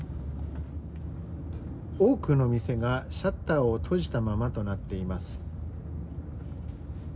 多くの店がシャッターを閉じたままとなっています。